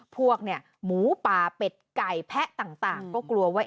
พวกหมูป่าเป็ดไก่แพะต่างก็กลัวว่า